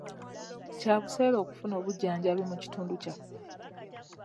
Kya buseere okufuna obujjanjabi mu kitundu kyaffe.